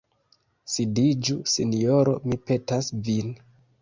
Sidiĝu, sinjoro, mi petas vin.